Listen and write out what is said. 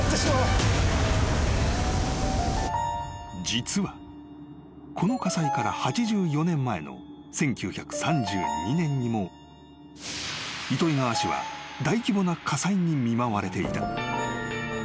［実はこの火災から８４年前の１９３２年にも糸魚川市は大規模な火災に見舞われていた］